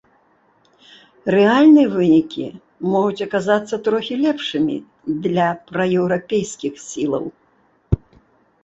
Рэальныя вынікі могуць аказацца трохі лепшымі для праеўрапейскіх сілаў.